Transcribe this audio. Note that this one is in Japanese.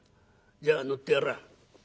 じゃあ乗ってやらあ」。